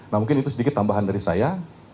nah mungkin itu sedikit tambahan dari saya